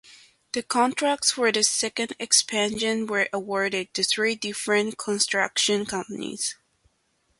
The contracts for the second expansion were awarded to three different construction companies.